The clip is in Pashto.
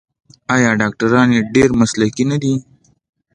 آیا ډاکټران یې ډیر مسلکي نه دي؟